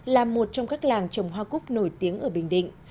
là một trong các làng trồng hoa cúc nổi tiếng ở bình định